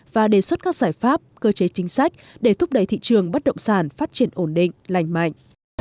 và đề xuất các giải pháp cơ chế chính sách để thúc đẩy thị trường bất động sản phát triển ổn định lành mạnh